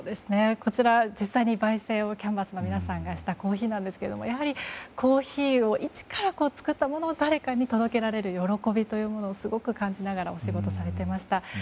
実際に焙煎をキャンバスの皆さんがしたものですがやはりコーヒーを、一から作って誰かに届けられる喜びというのをすごく感じながらお仕事をしていました。